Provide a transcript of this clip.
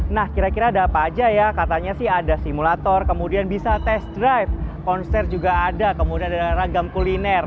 nah kira kira ada apa aja ya katanya sih ada simulator kemudian bisa tes drive konser juga ada kemudian ada ragam kuliner